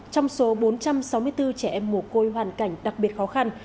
trong số bốn trăm sáu mươi bốn trẻ em mồ côi hoàn cảnh đặc biệt khó khăn